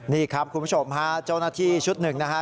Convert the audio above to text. นี่ครับคุณผู้ชมฮะเจ้าหน้าที่ชุดหนึ่งนะฮะ